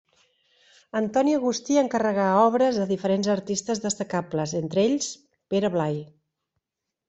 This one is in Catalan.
Antoni Agustí encarregà obres a diferents artistes destacables, entre ells Pere Blai.